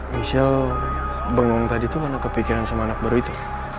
michelle bengong tadi tuh karena kepikiran sama anak baru itu